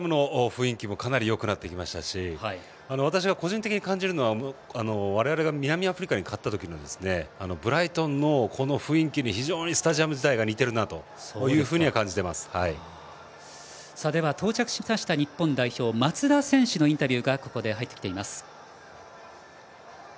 スタジアムの雰囲気もかなりよくなってきましたし私が個人的に感じるのは我々が南アフリカに勝った時のブライトンの雰囲気にスタジアム自体が到着しました日本代表松田選手のインタビューが入ってきています。